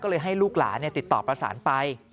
ก็เลยให้ลูกหลานติดต่อประสานไป